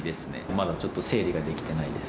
まだちょっと整理ができてないです。